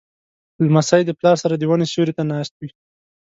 لمسی د پلار سره د ونو سیوري ته ناست وي.